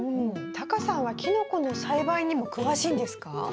タカさんはキノコの栽培にも詳しいんですか？